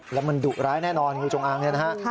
แล้วมันดุร้ายแน่นอนงูจงอางเนี่ยนะฮะ